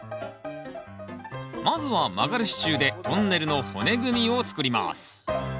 まずは曲がる支柱でトンネルの骨組みを作ります